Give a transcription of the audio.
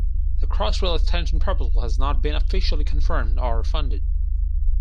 The Crossrail extension proposal has not been officially confirmed or funded.